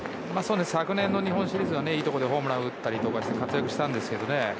昨年の日本シリーズはいいところでホームランを打ったりして活躍しましたけどね。